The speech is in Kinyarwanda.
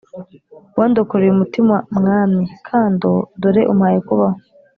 Wandokoreye umutima mwami kando Dore umpaye kubaho